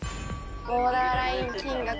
ボーダーライン金額